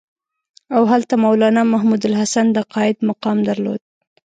او هلته مولنا محمودالحسن د قاید مقام درلود.